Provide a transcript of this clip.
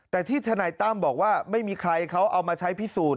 แต่ที่ทนายตั้มบอกว่าไม่มีใครเขาเอามาใช้พิสูจน์